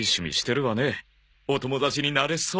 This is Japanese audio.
お友達になれそう。